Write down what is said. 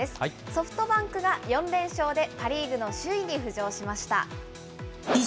ソフトバンクが４連勝で、パ・リーグの首位に浮上しました。